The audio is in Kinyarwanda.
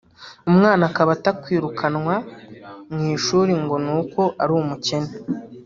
umwana akaba atakwirukanwa mu ishuri ngo ni uko ari umukene